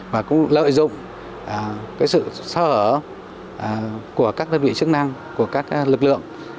và cũng lợi dụng sự sơ hở của các đơn vị chức năng của các lực lượng